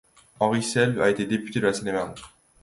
Henri Selves a été député de Seine-et-Marne.